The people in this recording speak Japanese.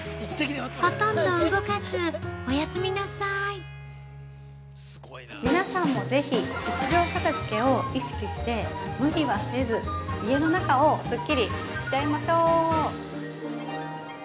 ほとんど動かず、おやすみなさい◆皆さんも、ぜひ１秒片づけを意識して、無理はせず、家の中をすっきりしちゃいましょう。